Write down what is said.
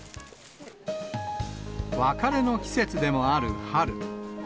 別れの季節でもある春。